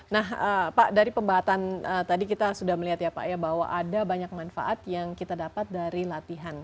nah pak dari pembahasan tadi kita sudah melihat ya pak ya bahwa ada banyak manfaat yang kita dapat dari latihan